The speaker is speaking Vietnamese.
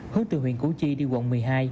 hướng từ huyện củ chi đi quận một mươi hai